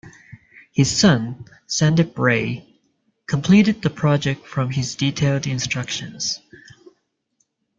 His son, Sandip Ray, completed the project from his detailed instructions.